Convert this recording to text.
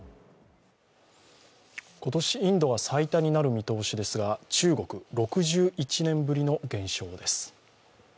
今年インドが最多になる見通しですが、中国、６１年ぶりの減少です。